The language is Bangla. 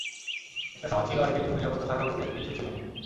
একটা সময় ছিল আইটির জন্য নিরাপত্তা শাখা বলতে কিছুই ছিল না।